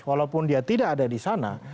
walaupun dia tidak ada di sana